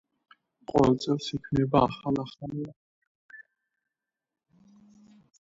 ყოველ წელს იქმნება ახალ-ახალი ანტივირუსული პროგრამები.